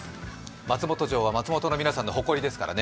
松本城は松本の皆さんの誇りですからね。